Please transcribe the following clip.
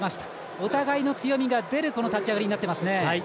お互いの強みが出る立ち上がりになっていますね。